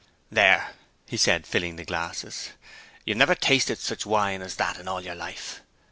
"There;" he said, filling the glasses, "you never tasted such wine as that in all your life.